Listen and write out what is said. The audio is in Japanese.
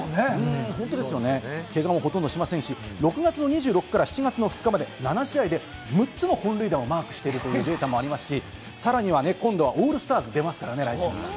けがもほとんどしませんし、６月２６から７月２日まで７試合で６つの本塁打をマークしているというデータもありますし、さらに今度はオールスター出ますからね。